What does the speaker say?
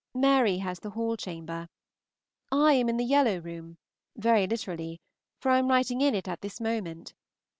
Mary has the Hall chamber. I am in the Yellow room very literally for I am writing in it at this moment.